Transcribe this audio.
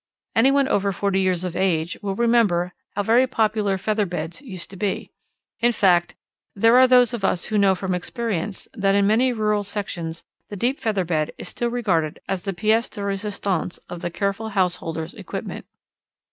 Any one over forty years of age will remember how very popular feather beds used to be. In fact, there are those of us who know from experience that in many rural sections the deep feather bed is still regarded as the pièce de resistance of the careful householder's equipment.